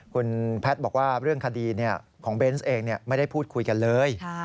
คุณแพทย์บอกว่าเรื่องคดีของเบนส์เองไม่ได้พูดคุยกันเลย